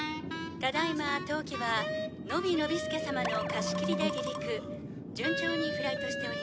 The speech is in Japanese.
「ただ今当機は野比のび助様の貸し切りで離陸」「順調にフライトしております」